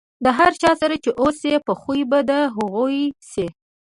د هر چا سره چې اوسئ، په خوي به د هغو سئ.